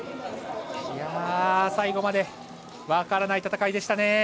最後まで分からない戦いでしたね。